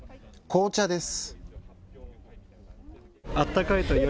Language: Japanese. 紅茶です。